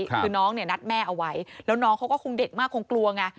คือน้องเนี่ยนัดแม่เอาไว้แล้วน้องเขาก็คงเด็กมากคงกลัวไง